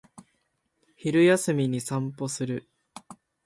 昼休みに散歩する